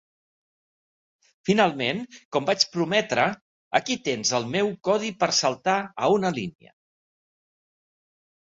Finalment, com vaig prometre, aquí tens el meu codi per saltar a una línia.